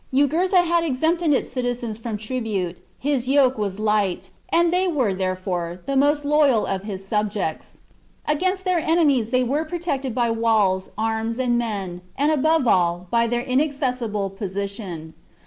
Jugurtha had ex empted its citizens from tribute ; his yoke was light, and they were, therefore, the most loyal of his 220 THE JUGURTHINE WAR. CHAP, subjects. Against their enemies they were protected by walls, arms, and men, and, above all, by their inaccessible position.